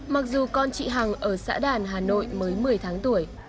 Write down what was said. mặc dù con chị hằng ở xã đàn hà nội mới một mươi tháng tuổi